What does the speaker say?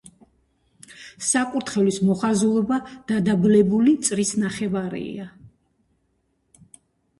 საკურთხევლის მოხაზულობა დადაბლებული წრის ნახევარია.